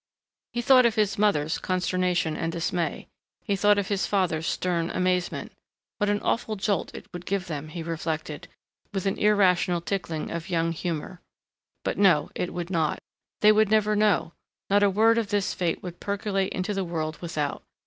He thought of his mother's consternation and dismay. He thought of his father's stern amazement.... What an awful jolt it would give them, he reflected, with an irrational tickling of young humor. But no, it would not. They would never know. Not a word of this fate would percolate into the world without.